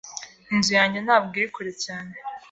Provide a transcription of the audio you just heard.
Inzu yanjye ntabwo iri kure cyane.